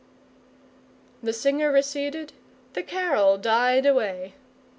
The singer receded, the carol died away.